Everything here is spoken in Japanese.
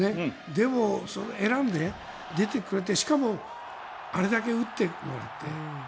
でも、選んで出てくれてしかもあれだけ打ってくれて。